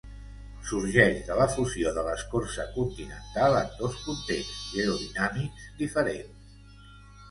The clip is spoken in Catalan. Sorgeix de la fusió de l'escorça continental en dos contexts geodinàmics diferents.